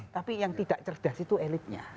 tapi yang tidak cerdas itu elitnya